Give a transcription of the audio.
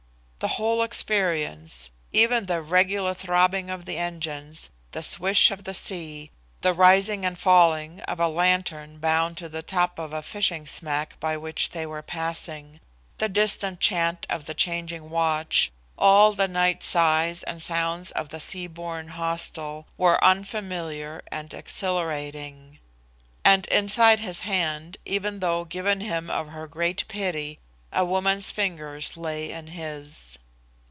The whole experience, even the regular throbbing of the engines, the swish of the sea, the rising and falling of a lantern bound to the top of a fishing smack by which they were passing, the distant chant of the changing watch, all the night sights and sounds of the seaborne hostel, were unfamiliar and exhilarating. And inside his hand, even though given him of her great pity, a woman's fingers lay in his.